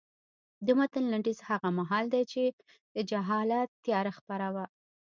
د متن لنډیز هغه مهال دی چې د جهالت تیاره خپره وه.